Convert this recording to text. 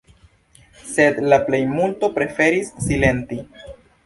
Sed la plejmulto preferis silenti.